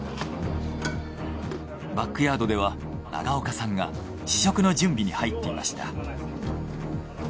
バックヤードでは長岡さんが試食の準備に入っていました。